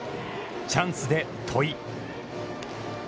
チャンスで戸井。